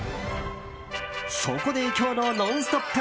そこで今日の「ノンストップ！」